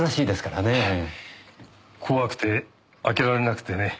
怖くて開けられなくてね。